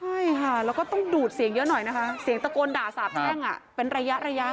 ใช่ค่ะแล้วก็ต้องดูดเสียงเยอะหน่อยนะคะเสียงตะโกนด่าสาบแช่งเป็นระยะระยะ